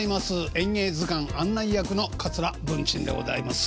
「演芸図鑑」案内役の桂文珍でございます。